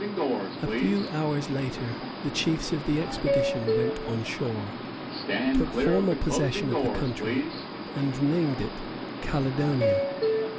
A few hours later the chiefs of the expedition went on shore, took formal possession of the country, and named it Caledonia.